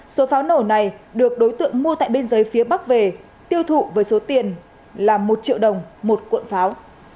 số pháo nổ này được đối tượng mua tại biên giới phía bắc về tiêu thụ với số tiền là một triệu đồng một cuộn pháo